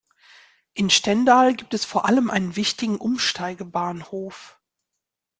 In Stendal gibt es vor allem einen wichtigen Umsteigebahnhof.